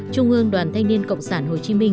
trung ương đoàn thanh niên cộng sản hồ chí minh